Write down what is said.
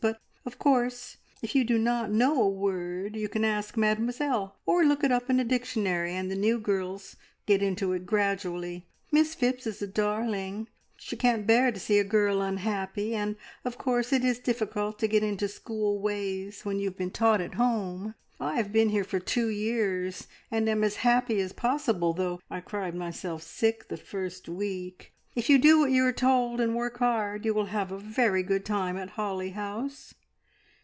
But of course, if you do not know a word you can ask Mademoiselle, or look it up in a dictionary, and the new girls get into it gradually. Miss Phipps is a darling; she can't bear to see a girl unhappy, and of course it is difficult to get into school ways when you have been taught at home. I have been here for two years, and am as happy as possible, though I cried myself sick the first week. If you do what you are told and work hard, you will have a very good time at Holly House."